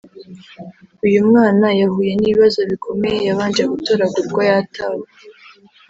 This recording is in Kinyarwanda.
Uyu mwana yahuye n’ibibazo bikomeye yabanje gutoragurwa yatawe